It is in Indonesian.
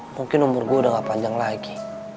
mungkin umur aku udah nggak panjang lagi